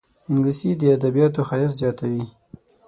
انګلیسي د ادبياتو ښایست زیاتوي